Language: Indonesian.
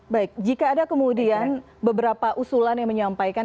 baik jika ada kemudian beberapa usulan yang menyampaikan